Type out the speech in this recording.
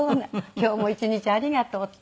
今日も１日ありがとうねって。